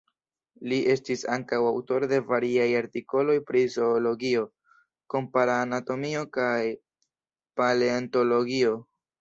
Li estis ankaŭ aŭtoro de variaj artikoloj pri zoologio, kompara anatomio kaj paleontologio.